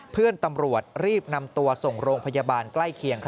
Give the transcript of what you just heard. เพื่อนตำรวจรีบนำตัวส่งโรงพยาบาลใกล้เคียง